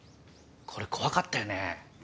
これ怖かったよね。